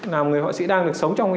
làm người họa sĩ đang được sống trong